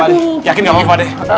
pakde yakin gak maaf pakde